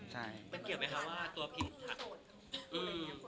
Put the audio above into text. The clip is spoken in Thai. ใช่ก็อาจจะเป็นเพราะเรื่องนั้นด้วย